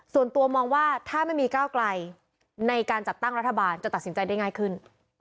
ส่วนตัวมองว่าถ้าไม่มีก้าวไกลในการจัดตั้งรัฐบาลจะตัดสินใจได้ง่ายขึ้น